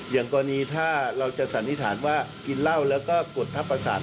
อย่างกรณีถ้าเราจะสันนิษฐานว่ากินเหล้าแล้วก็กดทับประสาท